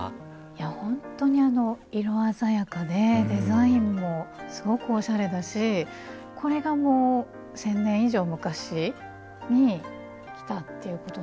いや本当に色鮮やかでデザインもすごくおしゃれだしこれがもう１，０００年以上昔に来たっていうことなんですよね。